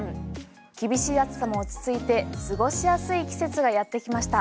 厳しい暑さも落ち着いて過ごしやすい季節がやってきました。